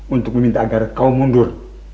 untuk meminta agar kau mundur